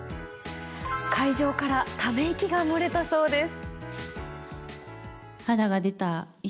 会場からため息が漏れたそうです。